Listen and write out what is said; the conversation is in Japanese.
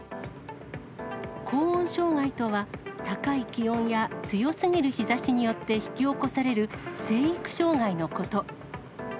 高温障害とは、高い気温や強すぎる日ざしによって引き起こされる生育障害のこと。